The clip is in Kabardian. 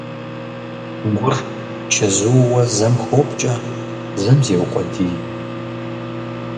Гур чэзууэ зэм хопкӀэ, зэм зеукъуэдий.